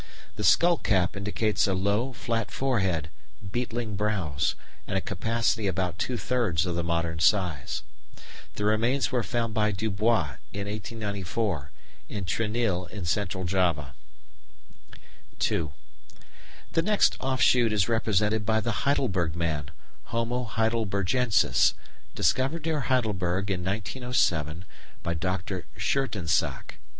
The skull cap indicates a low, flat forehead, beetling brows, and a capacity about two thirds of the modern size. The remains were found by Dubois, in 1894, in Trinil in Central Java. 2. The next offshoot is represented by the Heidelberg man (Homo heidelbergensis), discovered near Heidelberg in 1907 by Dr. Schoetensack.